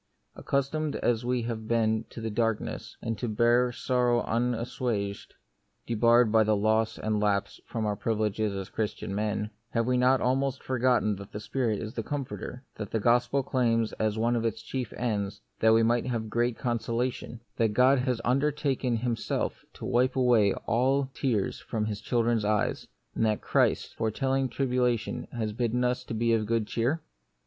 Accustomed as we have been to be in dark ness, and to bear sorrow unassuaged (de barred by loss and lapse from our privilege as Christian men,) have we not almost forgotten that the Spirit is the Comforter; that the gospel claims, as one of its chief ends, that we might have great consolation; that God has The Mystery of Pain. undertaken Himself to wipe away all tears from His children's eyes ; and that Christ, foretelling tribulation, has bidden us be of good cheer?